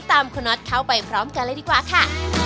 ตามคุณน็อตเข้าไปพร้อมกันเลยดีกว่าค่ะ